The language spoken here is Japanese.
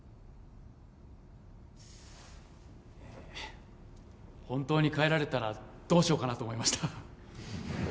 えっ本当に帰られたらどうしようかなと思いました